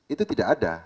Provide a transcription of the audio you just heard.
itu tidak ada